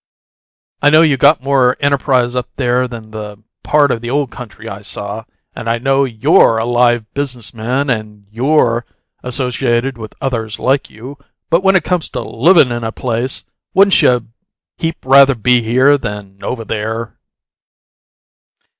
I know you got more enterprise up there than the part of the old country I saw, and I know YOU'RE a live business man and you're associated with others like you, but when it comes to LIVIN' in a place, wouldn't you heap rather be here than over there?"